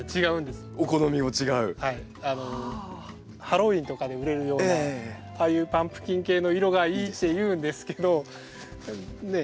ハロウィーンとかで売れるようなああいうパンプキン系の色がいいって言うんですけどね